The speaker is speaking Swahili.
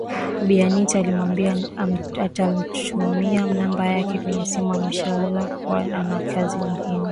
Bi Anita alimwambia atamtumia namba yake kwenye simu ameshaelezwa kuwa ana kazi muhimu Rwanda